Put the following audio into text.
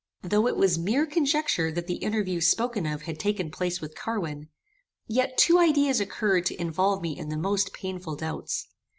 "Though it was mere conjecture that the interview spoken of had taken place with Carwin, yet two ideas occurred to involve me in the most painful doubts.